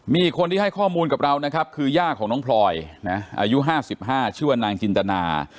มีอีกคนที่ให้ข้อมูลกับเรานะครับคือย่าของน้องพลอยอายุ๕๕ชื่อว่านางจินตนา